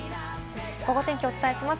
ゴゴ天気、お伝えします。